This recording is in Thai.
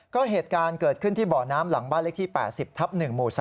ก็เหตุการณ์เกิดขึ้นที่บ่อน้ำหลังบ้านเลขที่๘๐ทับ๑หมู่๓